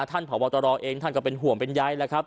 ท่านผ่าวัตรรอเองท่านก็เป็นห่วงเป็นไย้แล้วครับ